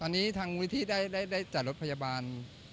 ตอนนี้ทางมูลวิธีได้จัดรถพยาบาล